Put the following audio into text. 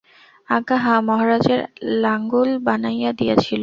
আজ্ঞা হাঁ, মহারাজের লাঙ্গুল বানাইয়া দিয়াছিল।